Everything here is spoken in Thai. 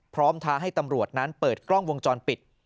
ท้าให้ตำรวจนั้นเปิดกล้องวงจรปิด